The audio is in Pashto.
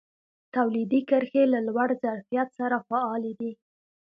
تولیدي کرښې له لوړ ظرفیت سره فعالې دي.